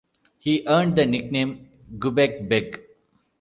He earned the nickname "Gubec Beg".